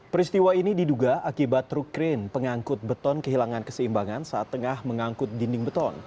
peristiwa ini diduga akibat truk krain pengangkut beton kehilangan keseimbangan saat tengah mengangkut dinding beton